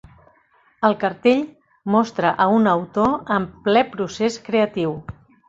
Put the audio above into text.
El cartell mostra a un autor en ple procés creatiu.